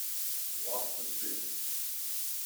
Lots of screaming.